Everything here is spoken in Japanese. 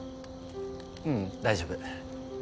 ううん大丈夫。